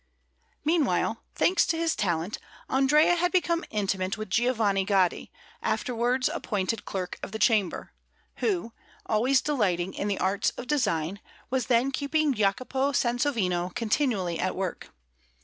Meanwhile, thanks to his talent, Andrea had become intimate with Giovanni Gaddi, afterwards appointed Clerk of the Chamber, who, always delighting in the arts of design, was then keeping Jacopo Sansovino continually at work.